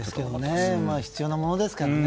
必要なものですからね。